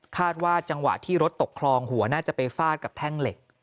ว่าจังหวะที่รถตกคลองหัวน่าจะไปฟาดกับแท่งเหล็ก